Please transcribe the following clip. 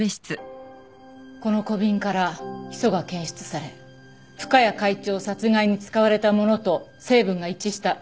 この小瓶からヒ素が検出され深谷会長殺害に使われたものと成分が一致した。